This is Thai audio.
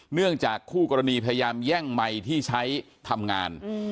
เนื่องจากคู่กรณีพยายามแย่งไมค์ที่ใช้ทำงาน